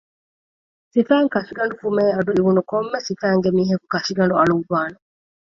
ސިފައިން ކަށިގަނޑު ފުމޭ އަޑު އިވުނު ކޮންމެ ސިފައިންގެ މީހަކު ކަށިގަނޑު އަޅުއްވާނެ